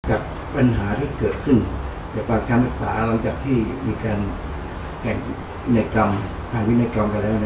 หลังจากปัญหาที่เกิดขึ้นหลังจากที่มีการแข่งวินัยกรรม